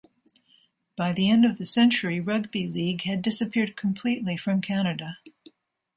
By the end of the century, rugby league had disappeared completely from Canada.